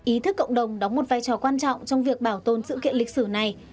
ý thức cộng đồng đóng một vai trò quan trọng trong việc bảo tồn sự kiện lịch sử này